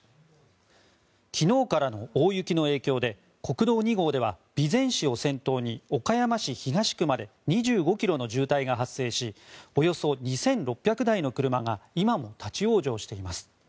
昨日からの大雪の影響で国道２号では備前市を先頭に岡山市東区まで２５ｋｍの渋滞が発生しおよそ２６００台の車が今も立ち往生しています。